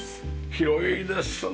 広いですね。